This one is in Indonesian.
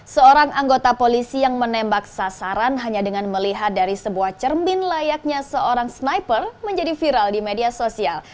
seorang anggota polisi yang menembak sasaran hanya dengan melihat dari sebuah cermin layaknya seorang sniper menjadi viral di media sosial